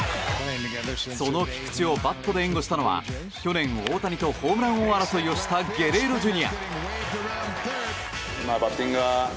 その菊池をバットで援護したのは去年、大谷とホームラン王争いをしたゲレーロＪｒ．。